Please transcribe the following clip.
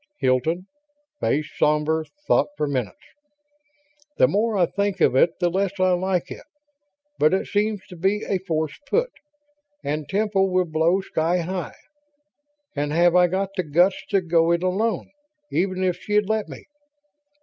Hilton, face somber, thought for minutes. "The more I think of it the less I like it. But it seems to be a forced put ... and Temple will blow sky high ... and have I got the guts to go it alone, even if she'd let me...."